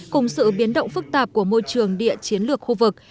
cùng sự biến động phức tạp của môi trường địa chiến lược khu vực